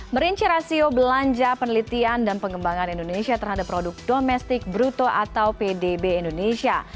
merinci rasio belanja penelitian dan pengembangan indonesia terhadap produk domestik bruto atau pdb indonesia